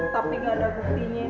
tapi gak ada buktinya